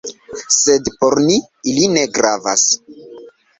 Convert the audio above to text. Sed por ni, ili ne gravas.